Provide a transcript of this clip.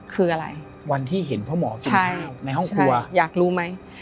คืออะไรวันที่เห็นพ่อหมอใช่ในห้องครัวใช่อยากรู้ไหม